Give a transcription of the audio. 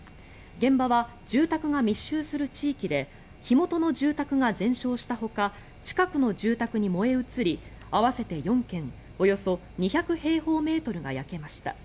現場は住宅が密集する地域で火元の住宅が全焼したほか近くの住宅に燃え移り合わせて４軒およそ２００平方メートルが焼けました。